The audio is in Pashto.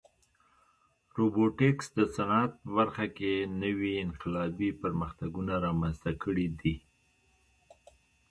روبوټیکس د صنعت په برخه کې نوې انقلابي پرمختګونه رامنځته کړي دي.